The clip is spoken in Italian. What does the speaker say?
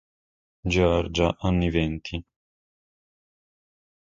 Georgia, anni venti.